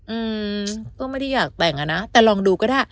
อืมก็ไม่ได้อยากแต่งอ่ะนะแต่ลองดูก็ได้